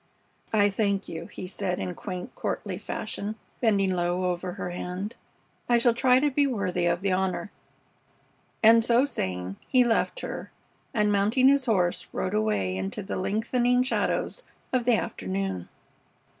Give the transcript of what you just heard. "I thank you," he said in quaint, courtly fashion, bending low over her hand. "I shall try to be worthy of the honor." And so saying, he left her and, mounting his horse, rode away into the lengthening shadows of the afternoon.